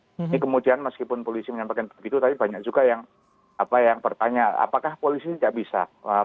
ini kemudian meskipun polisi menyampaikan begitu tapi banyak juga yang bertanya apakah polisi tidak bisa